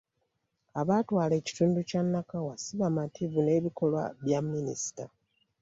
Abatwala ekitundu kya Nakawa si bamativu n'ebikolwa bya minisita.